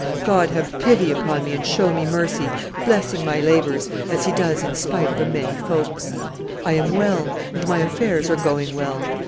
God have pity upon me and show me mercy, blessing my labors, as He does in spite of a many folks! I am well, and my affairs are going well.